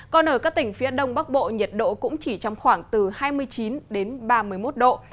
còn ở các tỉnh phía đông bắc bộ nhiệt độ cũng chỉ trong khoảng từ hai mươi chín đến ba mươi một độ